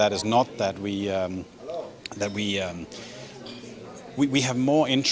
dan alasan untuk itu bukan karena kita